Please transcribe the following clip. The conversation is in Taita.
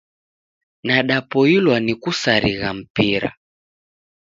Nadapoilwa ni kusarigha mpira.